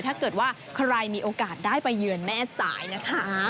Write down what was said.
ถ้าเกิดว่าใครมีโอกาสได้ไปเยือนแม่สายนะคะ